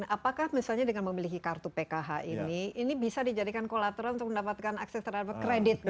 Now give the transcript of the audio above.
apakah misalnya dengan memiliki kartu pkh ini ini bisa dijadikan kolateral untuk mendapatkan akses terhadap kreditnya